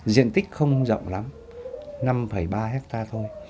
diện tích không rộng lắm năm ba hectare thôi